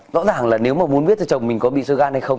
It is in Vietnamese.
rõ ràng là nếu mà muốn biết cho chồng mình có bị sơ gan hay không